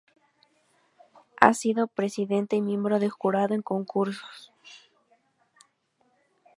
Ha sido Presidente y Miembro de Jurado en concursos.